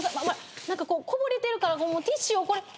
何かこぼれてるからティッシュをこれ。